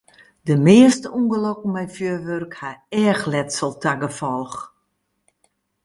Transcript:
De measte ûngelokken mei fjurwurk ha eachletsel ta gefolch.